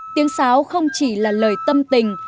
tiếng sáo không chỉ là lời tâm tình